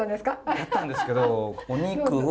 だったんですけどお肉を。